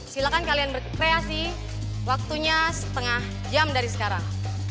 silahkan kalian berkreasi waktunya setengah jam dari sekarang